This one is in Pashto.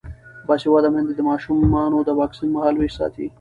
باسواده میندې د ماشومانو د واکسین مهالویش ساتي.